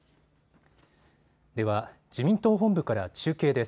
では自民党本部から中継です。